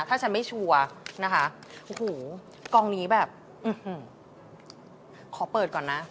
ถ้าฉันไม่ชัวร์นะคะโอ้โหกองนี้แบบขอเปิดก่อนนะ